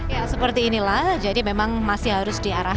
ya seperti inilah jadi memang masih harus diarahkan